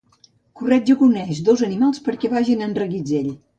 Corretja que uneix dos animals perquè vagin en reguitzell.